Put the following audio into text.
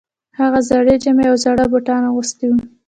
هغه زړې جامې او زاړه بوټان اغوستي وو